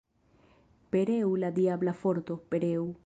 Pereu la diabla forto, pereu!